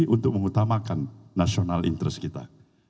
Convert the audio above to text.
untuk mengutamakan national interest kita